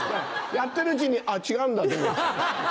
やってるうちにあぁ違うんだって。